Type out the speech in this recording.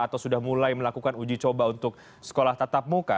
atau sudah mulai melakukan uji coba untuk sekolah tatap muka